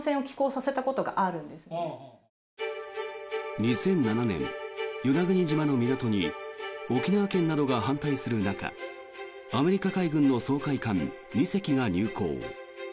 ２００７年、与那国島の港に沖縄県などが反対する中アメリカ海軍の掃海艦２隻が入港。